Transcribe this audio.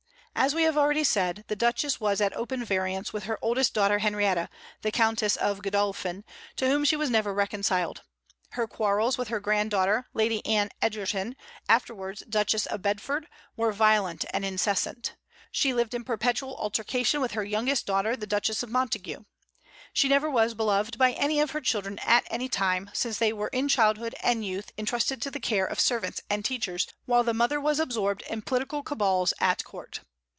As we have already said, the Duchess was at open variance with her oldest daughter Henrietta, the Countess of Godolphin, to whom she was never reconciled. Her quarrels with her granddaughter Lady Anne Egerton, afterwards Duchess of Bedford, were violent and incessant. She lived in perpetual altercation with her youngest daughter, the Duchess of Montague. She never was beloved by any of her children at any time, since they were in childhood and youth intrusted to the care of servants and teachers, while the mother was absorbed in political cabals at court.